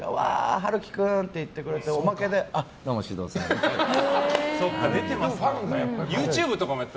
陽喜君って言ってくれておまけでどうも獅童さんって。